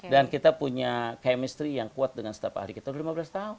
dan kita punya chemistry yang kuat dengan staf ahli kita udah lima belas tahun